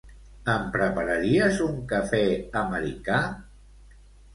Em prepararies un cafè americà?